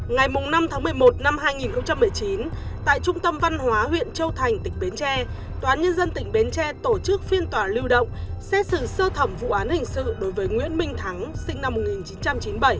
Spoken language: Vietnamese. ngày năm tháng một mươi một năm hai nghìn một mươi chín tại trung tâm văn hóa huyện châu thành tỉnh bến tre tòa án nhân dân tỉnh bến tre tổ chức phiên tòa lưu động xét xử sơ thẩm vụ án hình sự đối với nguyễn minh thắng sinh năm một nghìn chín trăm chín mươi bảy